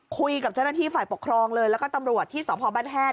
คุยกับเจ้าหน้าที่ฝ่ายปกครองเลยแล้วก็ตำรวจที่สพบ้านแฮด